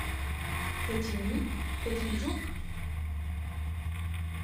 Fait-il nuit, fait-il jour ?…